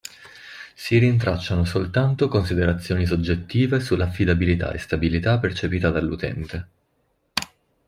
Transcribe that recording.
Si rintracciano soltanto considerazioni soggettive sulla affidabilità e stabilità percepita dall'utente.